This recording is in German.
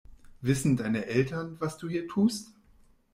Wissen deine Eltern, was du hier tust?